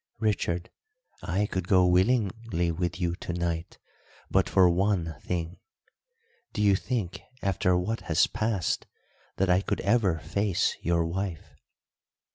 "Richard, I could go willingly with you to night but for one thing. Do you think after what has passed that I could ever face your wife?"